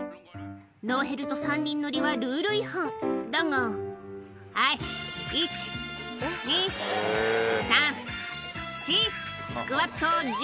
ノーヘルと３人乗りはルール違反だが「はい１・２・３・４」